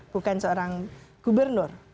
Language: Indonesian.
bukan seorang gubernur